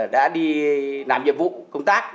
đã đi làm nhiệm vụ công tác